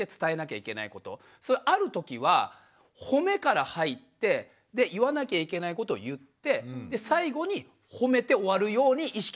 それあるときは褒めから入ってで言わなきゃいけないことを言って最後に褒めて終わるように意識してます。